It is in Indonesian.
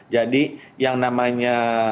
jadi yang namanya